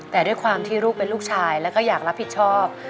แต่ด้วยความที่ลูกเป็นลูกชายแล้วก็อยากรับผิดชอบ